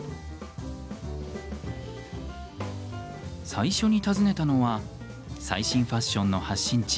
最初に訪ねたのは最新ファッションの発信地